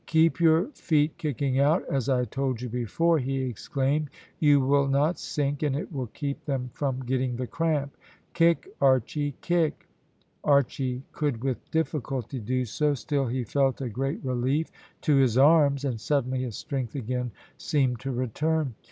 "Keep your feet kicking out, as I told you before," he exclaimed. "You will not sink, and it will keep them from getting the cramp. Kick, Archy! Kick!" Archy could with difficulty do so, still he felt a great relief to his arms, and suddenly his strength again seemed to return.